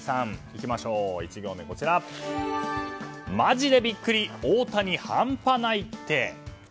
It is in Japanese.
いきましょう、１行目はマジでビックリ大谷半端ないって。